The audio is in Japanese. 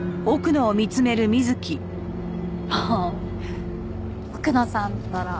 もう奥野さんったら。